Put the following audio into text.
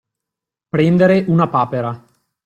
Prendere una papera.